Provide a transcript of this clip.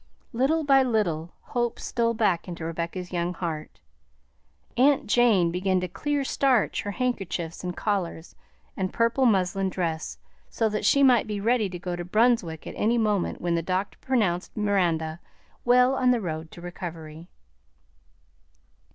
Little by little hope stole back into Rebecca's young heart. Aunt Jane began to "clear starch" her handkerchiefs and collars and purple muslin dress, so that she might be ready to go to Brunswick at any moment when the doctor pronounced Miranda well on the road to recovery.